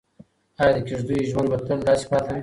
ایا د کيږديو ژوند به تل داسې پاتې وي؟